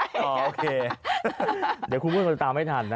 เดี๋ยวครูพูดคำตอบไม่ทันนะ